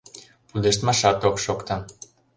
Пудештмашат ок шокто.